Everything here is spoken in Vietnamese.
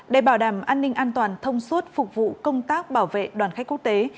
để bảo đảm an ninh an toàn thông suốt phục vụ công tác bảo vệ đoàn khách quốc tế